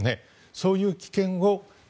そういう危険。